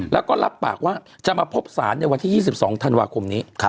แล้วก็รับปากว่าจะมาพบศาลในวันที่๒๒ธันวาคมนี้